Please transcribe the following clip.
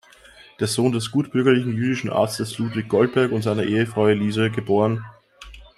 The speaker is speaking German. Der Sohn des gutbürgerlichen jüdischen Arztes Ludwig Goldberg und seiner Ehefrau Elise geb.